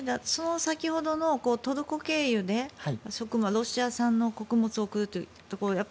先ほどのトルコ経由でロシア産の穀物を送るというところ。